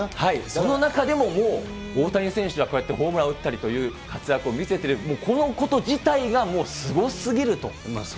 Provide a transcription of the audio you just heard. その中でももう大谷選手がこうやってホームランを打ったりという活躍を見せてる、もうこのこと自体がもうすごすぎると。